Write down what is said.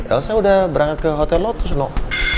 elsa udah berangkat ke hotel lotus noh